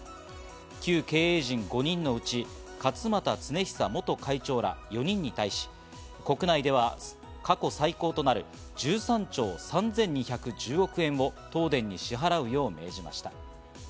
旧経営陣５人のうち勝俣恒久元会長ら４人に対し、国内では過去最高となる１３兆３２１０億円を東電に支払うよう命じました。